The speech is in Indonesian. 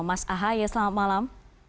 mas ahaye selamat malam